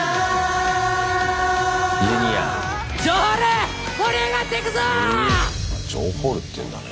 Ｊｒ．城ホールっていうんだね。